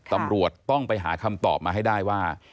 ตำรวจต้องไปหาคำตอบมาให้ได้ว่า